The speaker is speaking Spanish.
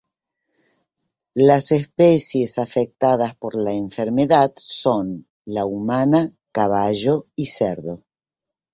Esto condicionó en parte que el pueblo comenzará su expansión por el lado noroeste.